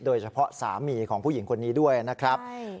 โดยเฉพาะสามีของผู้หญิงคนนี้ด้วยนะครับ